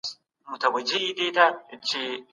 په نړۍ کي ډیر حقایق د تل لپاره پټ پاتې دي.